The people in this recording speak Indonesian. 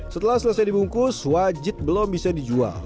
setelah selesai dibungkus wajit belum bisa dijual